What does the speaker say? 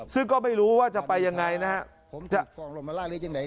ซึ่งก็ไม่รู้ว่าจะไปยังไงนะครับ